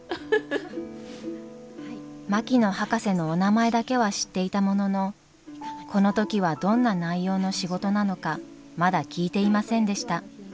槙野博士のお名前だけは知っていたもののこの時はどんな内容の仕事なのかまだ聞いていませんでした